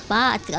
tidak ada artis